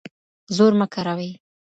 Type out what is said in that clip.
زور مه کاروئ.